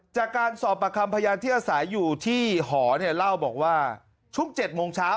จากการสอบประคำพยานที่อาศัยอยู่ที่หอเนี่ยเล่าบอกว่าช่วง๗โมงเช้า